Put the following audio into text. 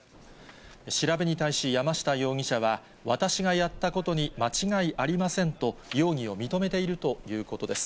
調べに対し山下容疑者は、私がやったことに間違いありませんと、容疑を認めているということです。